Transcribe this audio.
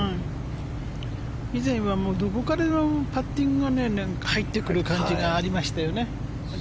以前はどこからでもパッティングが入ってくる感じがありましたよね。